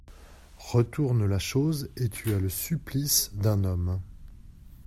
Retourne la chose et tu as le supplice d’un homme.